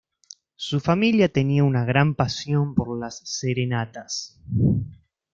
Su familia tenía una gran pasión por las serenatas.